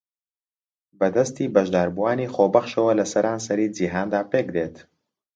بە دەستی بەشداربووانی خۆبەخشەوە لە سەرانسەری جیھاندا پێکدێت